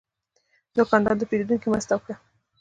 دوکاندار د پیرودونکي مرسته وکړه.